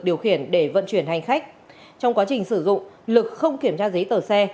điều khiển để vận chuyển hành khách trong quá trình sử dụng lực không kiểm tra giấy tờ xe